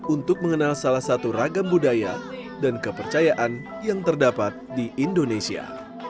untuk mengenal salah satu ragam budaya dan kepercayaan yang terdapat di indonesia